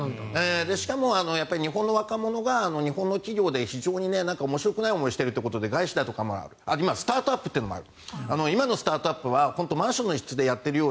しかも日本の若者が日本の企業で非常に面白くない思いをしてるということで外資だとかも今、スタートアップもある。